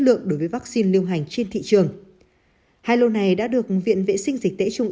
lượng đối với vaccine lưu hành trên thị trường hai lô này đã được viện vệ sinh dịch tễ trung